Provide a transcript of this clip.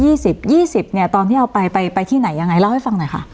ยี่สิบเนี่ยตอนที่เอาไปไปไปที่ไหนยังไงเล่าให้ฟังหน่อยค่ะ